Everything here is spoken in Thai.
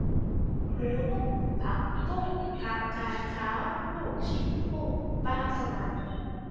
หมูนุ่ม ผักบุ้ง ผักกาดขาว ลูกชิ้นกุ้ง ปลาสวรรค์